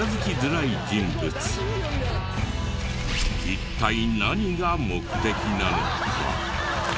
一体何が目的なのか？